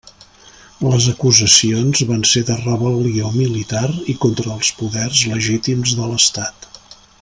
Les acusacions van ser de rebel·lió militar i contra els poders legítims de l'Estat.